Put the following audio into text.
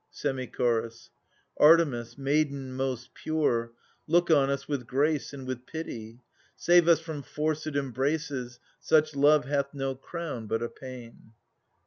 Semi Chorus. Artemis,} maiden most pure] look on us with grace and with pity Save us from forc^ embraces/ such love hath no crown but a pain.